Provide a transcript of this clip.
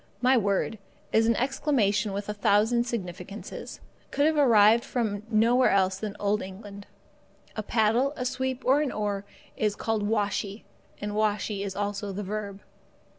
My word, as an exclamation with a thousand significances, could have arrived from nowhere else than Old England. A paddle, a sweep, or an oar, is called washee, and washee is also the verb.